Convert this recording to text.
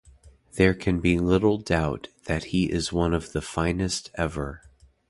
There can be little doubt that he is one of the finest ever.